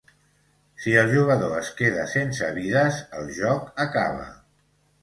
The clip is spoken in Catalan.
Si el jugador es queda sense vides, el joc acaba.